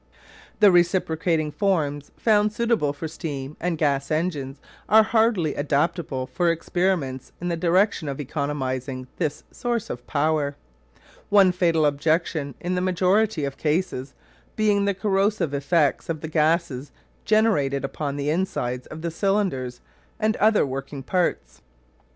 The reciprocating forms found suitable for steam and gas engines are hardly adaptable for experiments in the direction of economising this source of power, one fatal objection in the majority of cases being the corrosive effects of the gases generated upon the insides of cylinders and other working parts.